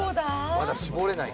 まだ絞れないか。